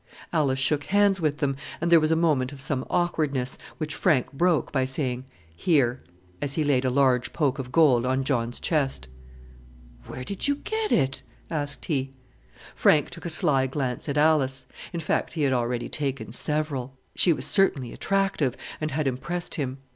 Alice shook hands with them, and there was a moment of some awkwardness, which Frank broke by saying, "Here," as he laid a large poke of gold on John's chest. "Where did you get it?" asked he. Frank took a sly glance at Alice in fact, he had already taken several. She was certainly attractive, and had impressed him.